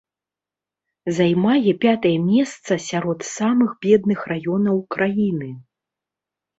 Займае пятае месца сярод самых бедных раёнаў краіны.